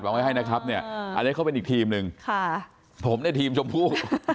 เอาไว้ให้นะครับเนี่ยอันนี้เขาก็เป็นอีกทีมนึงผมได้ทีมชมพู่